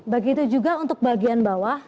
begitu juga untuk bagian bawah